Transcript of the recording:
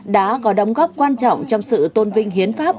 đã có đóng góp quan trọng trong sự tôn vinh hiến pháp